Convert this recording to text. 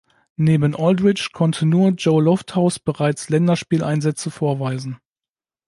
Neben Aldridge konnte nur Joe Lofthouse bereits Länderspieleinsätze vorweisen.